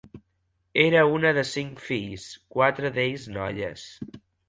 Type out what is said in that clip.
Era una de cinc fills, quatre d'ells noies.